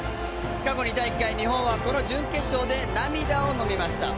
過去２大会、日本はこの準決勝で涙をのみました。